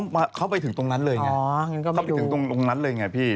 เขาไปถึงตรงนั้นเลยไงเข้าไปถึงตรงนั้นเลยไงพี่